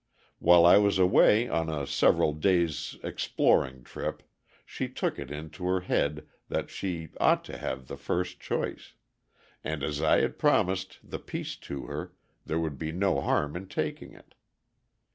While I was away on a several days' exploring trip she took it into her head that she ought to have the first choice, and, as I had promised the piece to her, there would be no harm in taking it.